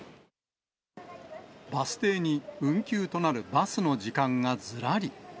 バス停に運休となるバスの時間がずらり。